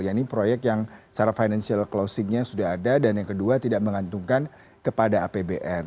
ya ini proyek yang secara financial closingnya sudah ada dan yang kedua tidak mengantungkan kepada apbn